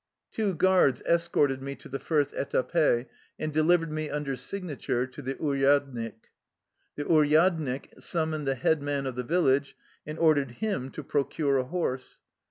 Two guards escorted me to the first etape and delivered me under signature to the uryddnih.^ The uryadnik summoned the head man of the village and ordered him to procure a horse.